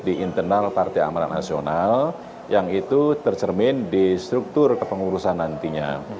di internal partai amanat nasional yang itu tercermin di struktur kepengurusan nantinya